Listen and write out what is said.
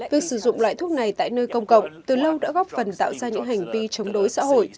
việc sử dụng loại thuốc này tại nơi công cộng từ lâu đã góp phần tạo ra những hành vi chống đối xã hội